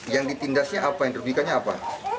yang ditindasnya apa yang dirugikannya apa